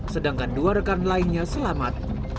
sedangkan dua rekan lainnya selamat